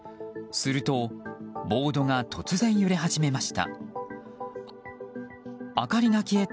するとボードが突然揺れ始めました。